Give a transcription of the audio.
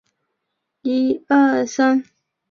这是一则流传在东京下町地区的百年传说。